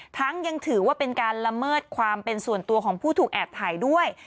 ยังถือว่าเป็นการละเมิดความเป็นส่วนตัวของผู้ถูกแอบถ่ายด้วย